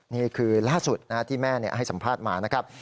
นี่คือล่าสุดที่แม่ให้สัมภาษณ์มานะครับ